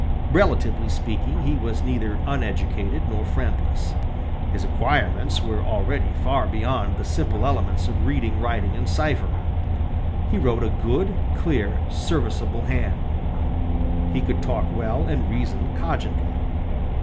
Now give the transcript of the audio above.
Relatively speaking, he was neither uneducated nor friendless. His acquirements were already far beyond the simple elements of reading, writing, and ciphering. He wrote a good, clear, serviceable hand; he could talk well and reason cogently.